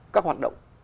các hoạt động